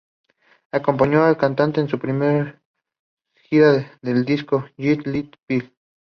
Acompañó a la cantante en su gira del disco "Jagged Little Pill".